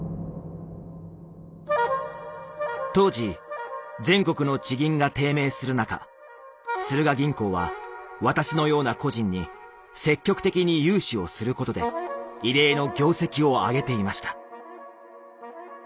当時全国の地銀が低迷する中スルガ銀行は私のような個人に積極的に融資をすることで異例の業績を上げていました。